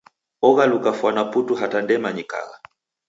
Oghaluka fwana putu hata ndemanyikagha.